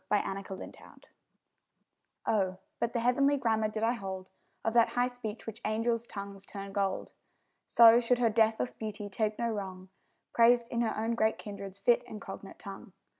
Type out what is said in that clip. _ HER PORTRAIT Oh, but the heavenly grammar did I hold Of that high speech which angels' tongues turn gold! So should her deathless beauty take no wrong, Praised in her own great kindred's fit and cognate tongue.